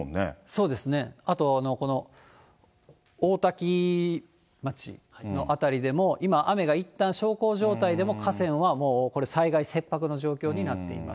そうですね、あとこの大多喜町の辺りでも今、雨がいったん小康状態でも、河川はもうこれ災害切迫の状況になっています。